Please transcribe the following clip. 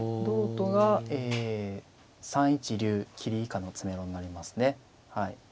同とが３一竜切り以下の詰めろになりますねはい。